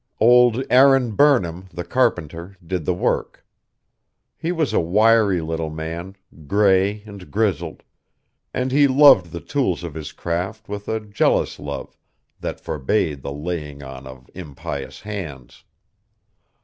Old Aaron Burnham, the carpenter, did the work. He was a wiry little man, gray and grizzled; and he loved the tools of his craft with a jealous love that forbade the laying on of impious hands.